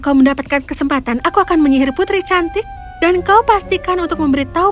kau mendapatkan kesempatan aku akan menyihir putri cantik dan kau pastikan untuk memberitahu